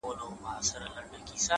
حدِاقل چي ته مي باید پُخلا کړې وای،